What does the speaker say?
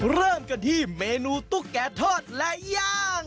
เริ่มกันที่เมนูตุ๊กแก่ทอดและย่าง